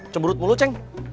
cemberut mulu ceng